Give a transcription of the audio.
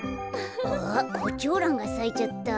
あコチョウランがさいちゃった。